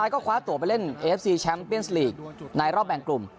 ก็คว้าตัวไปเล่นเอฟซีแชมป์เปียนส์ลีกในรอบแบ่งกลุ่ม